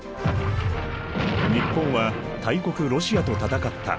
日本は大国ロシアと戦った。